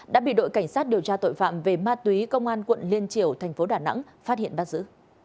đã bị đội cảnh sát điều tra tội phạm về ma túy công an quận liên triều thành phố đà nẵng phát hiện bắt giữ